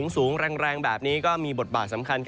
สูงแรงแบบนี้ก็มีบทบาทสำคัญ